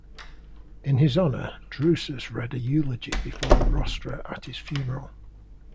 In his honor, Drusus read a eulogy before the rostra at his funeral.